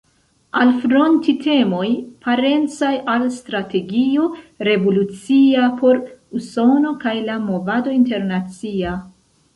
Alfronti temoj parencaj al strategio revolucia por Usono kaj la movado internacia.